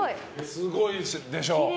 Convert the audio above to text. すごいでしょう。